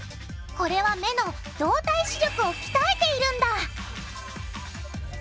これは目の動体視力をきたえているんだ！